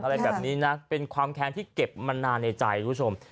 อะไรแบบนี้นะเป็นความแค้นที่เก็บมานานในใจคุณผู้ชม